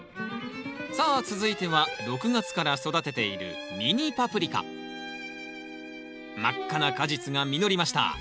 さあ続いては６月から育てている真っ赤な果実が実りました。